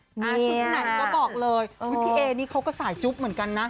ชุดไหนก็บอกเลยพี่เอนี่เขาก็สายจุ๊บเหมือนกันนะ